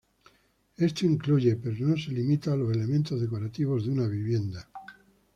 Esto incluye, pero no se limita, a los elementos decorativos de una vivienda.